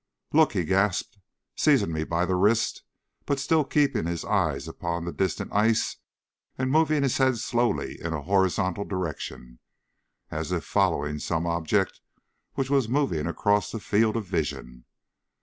"Look!" he gasped, seizing me by the wrist, but still keeping his eyes upon the distant ice, and moving his head slowly in a horizontal direction, as if following some object which was moving across the field of vision.